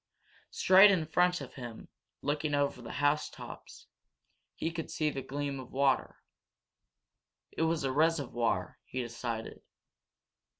Straight in front of him, looking over the house tops, he could see the gleam of water. It was a reservoir, he decided.